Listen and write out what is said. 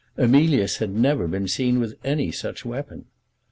Emilius had never been seen with any such weapon.